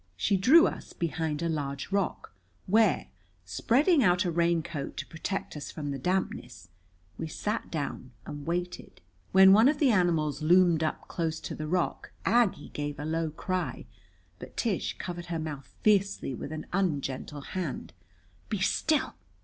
She drew us behind a large rock, where, spreading out a raincoat to protect us from the dampness, we sat down and waited. When one of the animals loomed up close to the rock Aggie gave a low cry, but Tish covered her mouth fiercely with an ungentle hand. "Be still!"